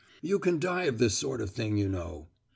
You can die of this sort of thing, you know."